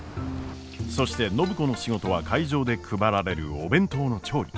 そして暢子の仕事は会場で配られるお弁当の調理。